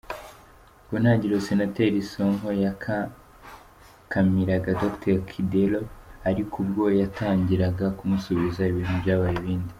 Ku ntangiriro Senateri Sonko yakankamiraga Dr Kidero, ariko ubwo yatangiraga kumusubiza, ibintu byabaye ibindi.